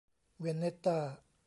เวียนเน็ตต้า